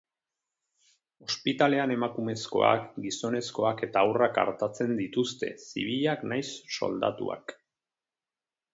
Ospitalean emakumezkoak, gizonezkoak eta haurrak artatzen dituzte, zibilak nahiz soldaduak.